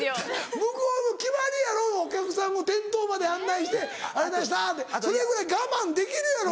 向こうも決まりやろお客さんを店頭まで案内して「ありがとうございました」でそれぐらい我慢できるやろ。